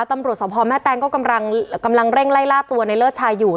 ตำรวจสภแม่แตงก็กำลังเร่งไล่ล่าตัวในเลิศชายอยู่